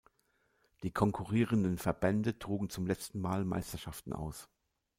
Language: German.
Die konkurrierenden Verbände trugen zum letzten Mal Meisterschaften aus.